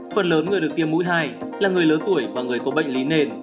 phần lớn người được tiêm mũi hai là người lớn tuổi và người có bệnh lý nền